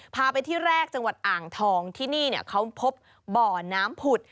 พาไปที่แรกจังหวัดอ่างทองที่นี่เขาพบบ่อน้ำผุด